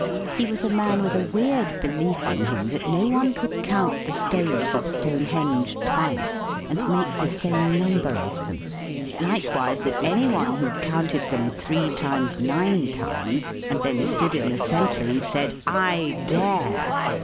He was a man with a weird belief in him that no one could count the stones of Stonehenge twice, and make the same number of them; likewise, that any one who counted them three times nine times, and then stood in the centre and said, "I dare!"